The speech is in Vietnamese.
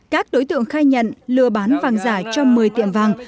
các đối tượng khai nhận lừa bán vàng giả cho một mươi tiệm vàng